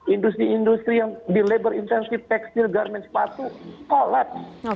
industri industri yang di labor insentif tekstil garmen sepatu kolapse